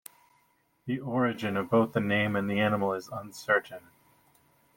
The origin of both the name and the animal is uncertain.